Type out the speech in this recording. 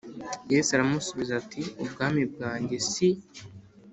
Yesu aramusubiza ati ubwami bwanjye si